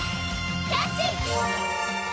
キャッチ！